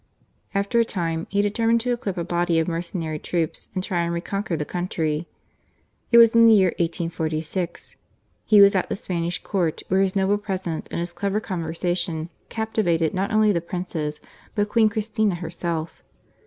After a time he determined to equip a body of mercenary troops and try and reconquer the country. It was in the year 1846. He was at the Spanish Court, where his noble presence and his clever con versation captivated not only the princes, but Queen Christina herself.